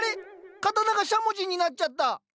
刀がしゃもじになっちゃった！